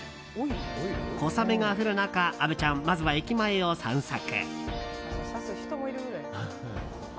小雨が降る中虻ちゃん、まずは駅前を散策。